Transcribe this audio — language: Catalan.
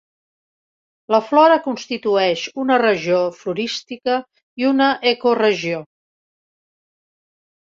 La flora constitueix una regió florística i una ecoregió.